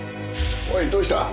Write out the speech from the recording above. おいどうした？